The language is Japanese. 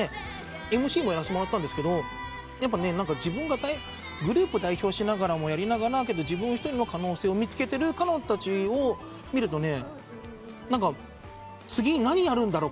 ＭＣもやらせてもらったんですが自分がグループ代表しながらもやりながら自分一人の可能性を見つけてる彼女たちを見ると「次何やるんだろ。